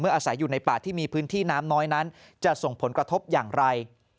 อาศัยอยู่ในป่าที่มีพื้นที่น้ำน้อยนั้นจะส่งผลกระทบอย่างไร